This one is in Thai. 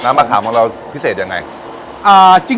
น้ำมะขามของเราพิเศษอย่างไร